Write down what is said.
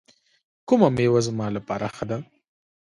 کومه میوه زما لپاره ښه ده؟